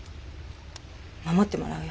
守ってもらうよ。